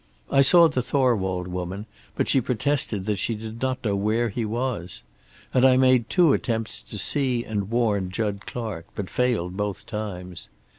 I saw the Thorwald woman, but she protested that she did not know where he was. And I made two attempts to see and warn Jud Clark, but failed both times.